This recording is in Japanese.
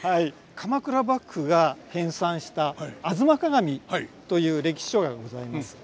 鎌倉幕府が編さんした「吾妻鏡」という歴史書がございます。